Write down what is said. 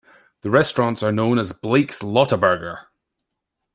The restaurants are known as Blake's Lotaburger.